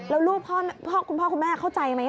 แล้วลูกคุณพ่อคุณแม่เข้าใจไหม